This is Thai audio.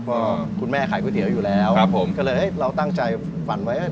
เพราะคุณแม่ขายก๋วยเตี๋ยวอยู่แล้วก็เลยเราตั้งใจฝันไว้